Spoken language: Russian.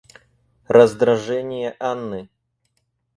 Раздражение Анны.